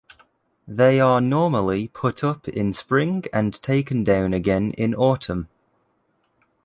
They are normally put up in spring and taken down again in autumn.